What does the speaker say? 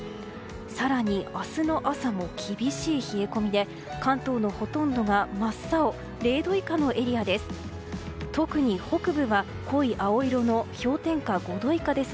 更に明日の朝も厳しい冷え込みで関東のほとんどが真っ青０度以下のエリアです。